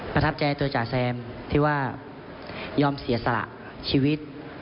ประทับใจตัวจ่าแซมที่ว่ายอมเสียสละชีวิต